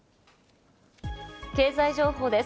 経済情報です。